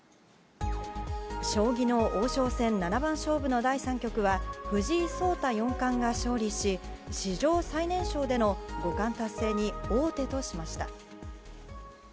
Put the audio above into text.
将棋の王将戦七番勝負の第３局は藤井聡太四冠が勝利し史上最年少での五冠達成に王手としました。